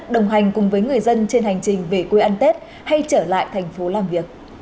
đồng hành cùng với người dân trên hành trình về quê ăn tết hay trở lại thành phố làm việc